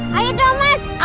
satu dua tiga